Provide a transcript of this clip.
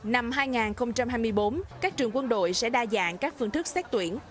năm hai nghìn hai mươi bốn các trường quân đội sẽ đa dạng các phương thức xét tuyển